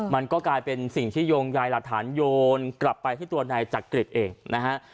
มันก็กลายเป็นสิ่งที่โยงยายหลักฐานโยนกลับไปที่ตัวนายจักริตเองนะฮะ